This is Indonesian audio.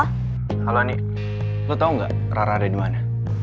halo ani lo tau gak rara ada dimana